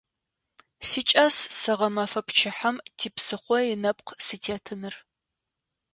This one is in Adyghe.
СикӀас сэ гъэмэфэ пчыхьэм типсыхъо инэпкъ сытетыныр.